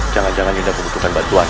jangan jangan kita membutuhkan bantuan